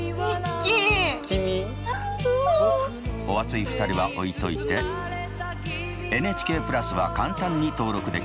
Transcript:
お熱い２人は置いといてＮＨＫプラスは簡単に登録できます。